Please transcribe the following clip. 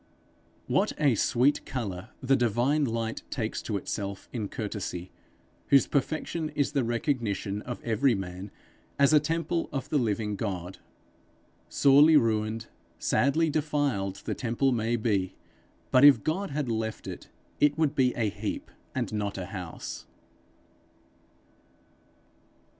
What a sweet colour the divine light takes to itself in courtesy, whose perfection is the recognition of every man as a temple of the living God. Sorely ruined, sadly defiled the temple may be, but if God had left it, it would be a heap and not a house.